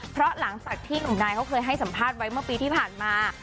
เพราะหลังจากที่หนุ่มนายเขาเคยให้สัมภาษณ์ไว้เมื่อปีที่ผ่านมา